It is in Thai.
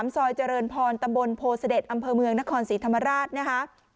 ซอยเจริญพรตำบลโพเสด็จอำเภอเมืองนครศรีธรรมราชนะคะ